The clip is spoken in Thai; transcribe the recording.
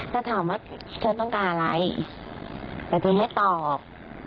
ถ้าถามว่าเธอต้องการอะไรแต่เธอไม่ตอบ